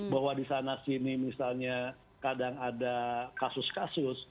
bahwa di sana sini misalnya kadang ada kasus kasus